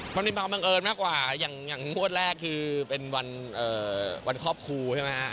มันมีความบังเอิญมากกว่าอย่างงวดแรกคือเป็นวันครอบครูใช่ไหมฮะ